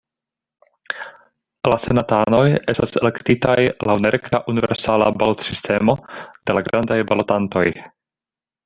La senatanoj estas elektitaj laŭ nerekta universala balotsistemo de la grandaj balotantoj.